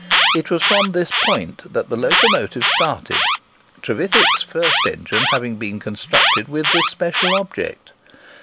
It was from this point that the locomotive started, Trevithick's first engine having been constructed with this special object.